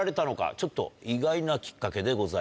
ちょっと意外なきっかけでございます。